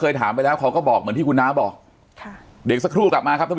กคงถามไปแล้วเขาก็บอกคุณหน้าบอกเดี๋ยวกลับมาครับครับ